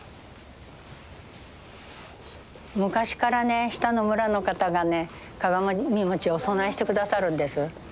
昔からね下の村の方がね鏡餅お供えしてくださるんです。